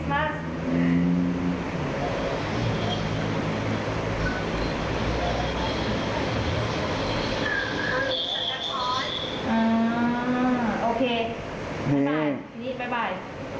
สวัสดีด้วย